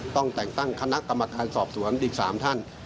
ต้องแต่งตั้งคณะกรรมการสอบสวนอีก๓ท่าน